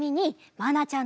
まなちゃん。